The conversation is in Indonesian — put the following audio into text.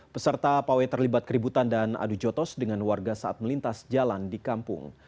peserta pawai terlibat keributan dan adu jotos dengan warga saat melintas jalan di kampung